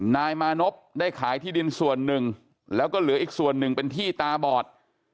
นายมานพได้ขายที่ดินส่วนหนึ่งแล้วก็เหลืออีกส่วนหนึ่งเป็นที่ตาบอด